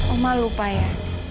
omah lupa ya